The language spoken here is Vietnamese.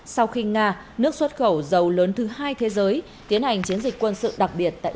sau khi nga nước xuất khẩu dầu lớn thứ hai thế giới tiến hành chiến dịch quân sự đặc biệt tại